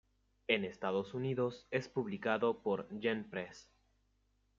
En Estados Unidos es publicado por Yen Press.